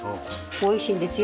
おいしいんですよ。